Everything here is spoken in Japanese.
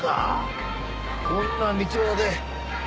こんな道端で。